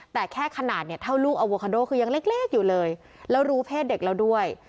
แต่แค่ขนาดเนี่ยเท่าลูกอโวคาโดคือยังเล็กอยู่เลยแล้วรู้เพศเด็กแล้วด้วย